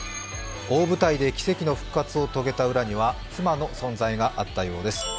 大舞台で奇跡の復活を遂げた裏には妻の存在があったようです。